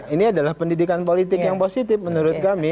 ini adalah pendidikan politik yang positif menurut kami